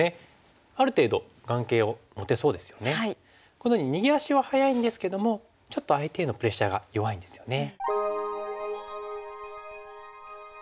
このように逃げ足は早いんですけどもちょっと相手へのプレッシャーが弱いんですよね。